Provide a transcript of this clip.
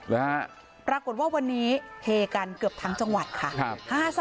ปรากฏว่าวันนี้เฮกันเกือบทั้งจังหวัดค่ะ